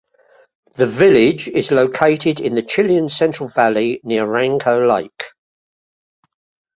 The village is located in the Chilean Central Valley near Ranco Lake.